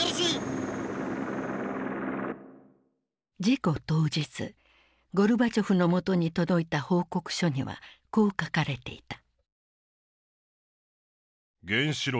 事故当日ゴルバチョフの元に届いた報告書にはこう書かれていた。